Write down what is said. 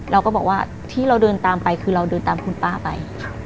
เราก็บอกว่าที่เราเดินตามไปคือเราเดินตามคุณป้าไป